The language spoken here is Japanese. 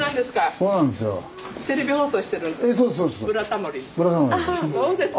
そうですか。